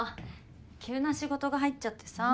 急な仕事が入っちゃってさ。